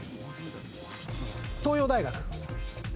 東洋大学。